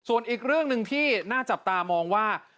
ส่วนอีกเรื่องหนึ่งที่น่าจับตามองว่า